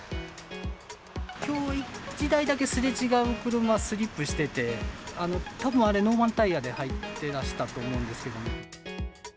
きょう１台だけすれ違う車、スリップしてて、たぶん、あれ、ノーマルタイヤをはいてらしたと思うんですけど。